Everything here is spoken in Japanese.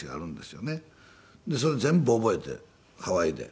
それ全部覚えてハワイで。